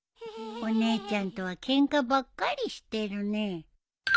お姉ちゃんとはケンカばっかりしてるねえ。